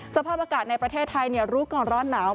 สภาพอากาศในประเทศไทยรู้ก่อนร้อนหนาว